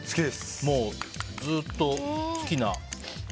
もう、ずっと好きな。